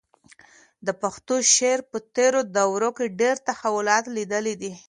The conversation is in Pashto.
د پښتو شعر په تېرو دورو کې ډېر تحولات لیدلي دي.